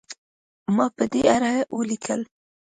ما په دې اړه ولیکل.